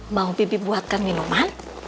mau bibi buatkan minuman